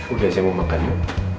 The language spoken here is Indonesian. udah saya mau makan yuk